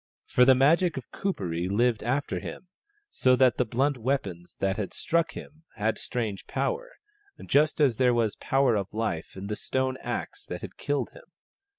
For the Magic of Kuperee lived after him, so that the blunt weapons that had struck him had strange power, just as there was power of life in the stone axe that had killed him.